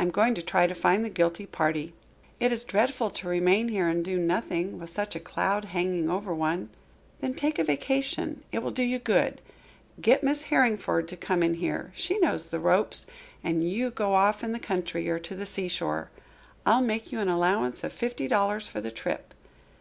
"I am going to try to find the guilty party." "It is dreadful to remain here and do nothing, with such a cloud hanging over one." "Then take a vacation. It will do you good. Get Miss Harringford to come in here she knows the ropes and you go off in the country or to the seashore. I'll make you an allowance of fifty dollars for the trip.